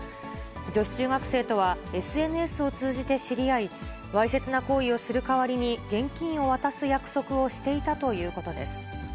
女子中学生とはＳＮＳを通じて知り合い、わいせつな行為をする代わりに、現金を渡す約束をしていたということです。